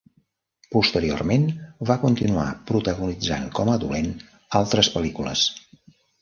Posteriorment, va continuar protagonitzant com a dolent altres pel·lícules.